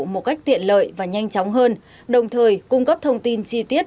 một cách tiện lợi và nhanh chóng hơn đồng thời cung cấp thông tin chi tiết